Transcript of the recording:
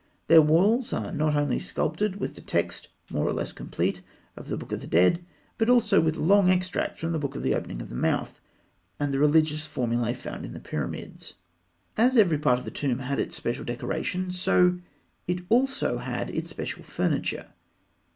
Their walls are not only sculptured with the text (more or less complete) of The Book of the Dead, but also with long extracts from The Book of the Opening of the Mouth and the religious formulae found in the pyramids. As every part of the tomb had its special decoration, so also it had its special furniture.